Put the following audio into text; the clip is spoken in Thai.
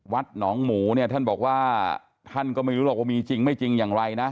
วัดหนองหมูเนี่ยท่านบอกว่าท่านก็ไม่รู้หรอกว่ามีจริงไม่จริงอย่างไรนะ